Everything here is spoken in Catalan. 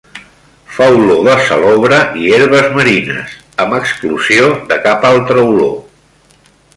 Fa olor de salobre i herbes marines, amb exclusió de cap altra olor.